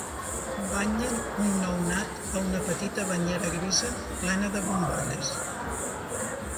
Banyen un nounat a una petita banyera grisa plena de bombolles.